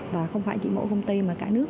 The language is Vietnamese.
và không phải chỉ mỗi công ty mà cả nước